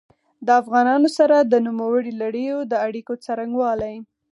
د افغانانو سره د نوموړي لړیو د اړیکو څرنګوالي.